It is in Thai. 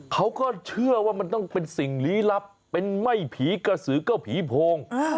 เขาก็เชื่อว่ามันต้องเป็นสิ่งลี้ลับเป็นไม่ผีกระสือก็ผีโพง